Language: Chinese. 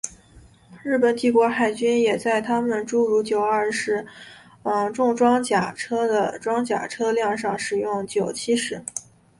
日本帝国海军也在他们诸如九二式重装甲车的装甲车辆上使用九七式。